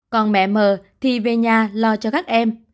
còn mẹ mờ thì về nhà lo cho các em